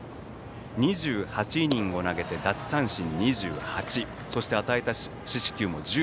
２８イニングを投げて奪三振２８そして与えた四死球も１５。